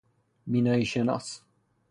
بینایی شناس